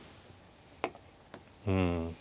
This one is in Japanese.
うん。